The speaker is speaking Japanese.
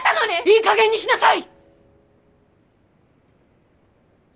いいかげんにしなさい！